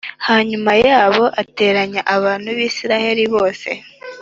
hanyuma yabo ateranya abantu ba Isirayeli bose